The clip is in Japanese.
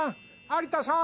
有田さん。